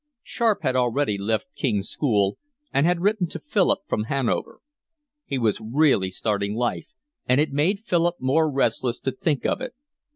Sharp had already left King's School and had written to Philip from Hanover. He was really starting life, and it made Philip more restless to think of it.